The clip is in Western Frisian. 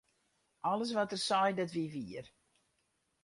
Alles wat er sei, dat wie wier.